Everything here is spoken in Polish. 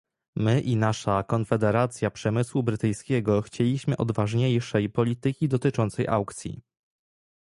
My i nasza konfederacja przemysłu brytyjskiego chcieliśmy odważniejszej polityki dotyczącej aukcji